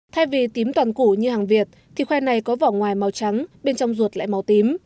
thay vì tím toàn củ như hàng việt thì khoai này có vỏ ngoài màu trắng bên trong ruột lại màu tím